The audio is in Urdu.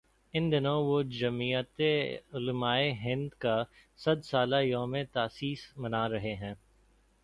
ان دنوں وہ جمعیت علمائے ہندکا صد سالہ یوم تاسیس منا رہے ہیں۔